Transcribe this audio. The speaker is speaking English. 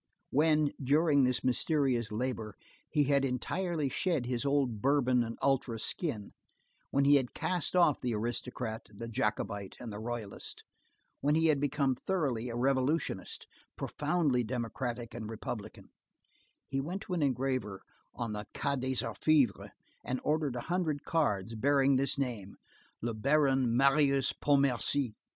When, during this mysterious labor, he had entirely shed his old Bourbon and ultra skin, when he had cast off the aristocrat, the Jacobite and the Royalist, when he had become thoroughly a revolutionist, profoundly democratic and republican, he went to an engraver on the Quai des Orfévres and ordered a hundred cards bearing this name: Le Baron Marius Pontmercy.